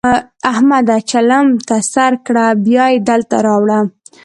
احمده! چلم ته سر کړه؛ بيا يې دلته راوړه.